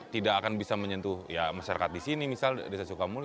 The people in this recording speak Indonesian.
tidak akan bisa menyentuh ya masyarakat di sini misal desa sukamuli